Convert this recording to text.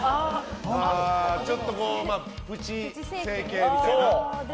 ちょっとプチ整形みたいな。